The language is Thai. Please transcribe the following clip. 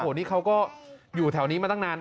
นี่เขาก็อยู่แถวนี้มาตั้งนาน